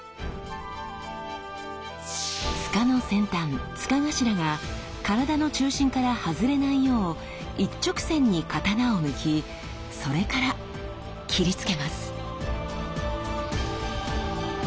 柄の先端柄頭が体の中心から外れないよう一直線に刀を抜きそれから斬りつけます。